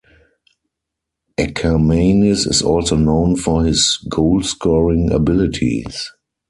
Akermanis is also known for his goalscoring abilities.